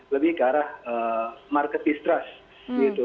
lebih ke arah market distrust gitu